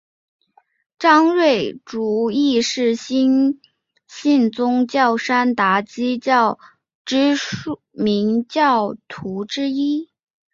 张瑞竹亦是新兴宗教山达基教知名教徒之一。